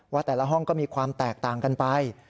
แต่ละห้องก็มีความแตกต่างกันไป